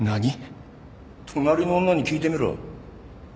隣の女に聞いてみろ。